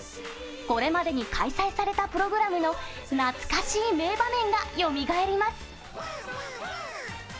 これまでに開催されたプログラムの懐かしい名場面がよみがえります。